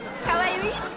かわゆい？